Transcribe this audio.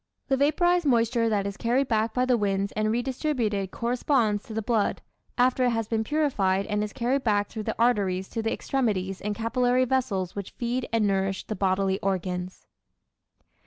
The vaporized moisture that is carried back by the winds and redistributed corresponds to the blood, after it has been purified and is carried back through the arteries to the extremities and capillary vessels which feed and nourish the bodily organs.